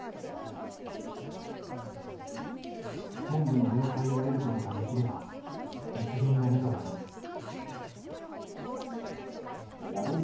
本部の了解を得ることができれば実現のめどが立つ。